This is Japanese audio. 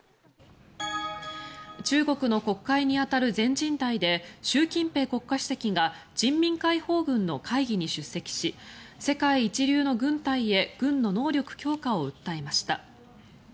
中国の国会に当たる全人代で習近平国家主席が人民解放軍の会議に出席し世界一流の軍隊へ軍の能力強化を訴えました。